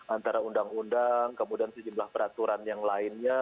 antara undang undang kemudian sejumlah peraturan yang lainnya